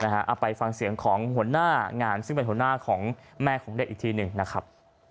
เอาไปฟังเสียงของหัวหน้างานซึ่งเป็นหัวหน้าของแม่ของเด็กอีกทีหนึ่งนะครับ